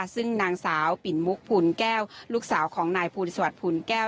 ซึ่งนางสาวปิ่นมุกภูลแก้วลูกสาวของนายภูริสวัสดิภูลแก้ว